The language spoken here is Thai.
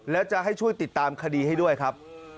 แล้วจะให้ช่วยติดตามคดีให้ด้วยครับ